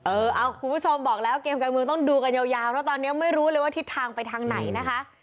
คุณผู้ชมบอกแล้วเกมการเมืองต้องดูกันยาวเพราะตอนนี้ไม่รู้เลยว่าทิศทางไปทางไหนนะคะ